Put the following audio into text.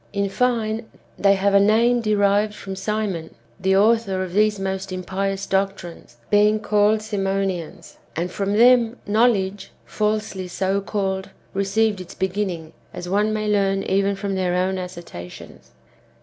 In fine, they have a name derived from Simon, the author of these most impious doctrines, being called Simonians ; and from them " knowledge, falsely so called," ^ received its beginning, as one may learn even from their own assertions.